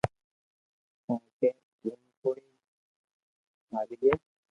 ڪونڪہ ايم ڪوم ڪوئي ھالئي